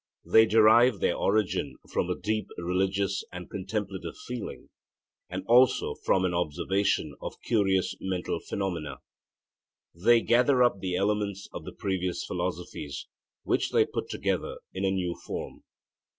They derive their origin from a deep religious and contemplative feeling, and also from an observation of curious mental phenomena. They gather up the elements of the previous philosophies, which they put together in a new form.